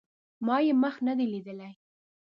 ما یې مخ نه دی لیدلی